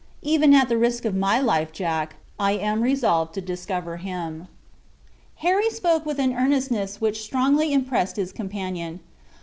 Even at the risk of my life, Jack, I am resolved to discover him." Harry spoke with an earnestness which strongly impressed his companion.